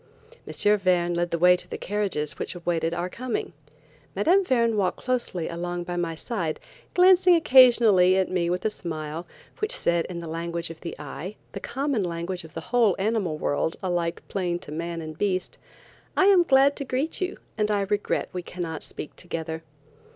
M. Verne led the way to the carriages which waited our coming. Mme. Verne walked closely by my side, glancing occasionally at me with a smile, which said in the language of the eye, the common language of the whole animal world, alike plain to man and beast: "I am glad to greet you, and I regret we cannot speak together."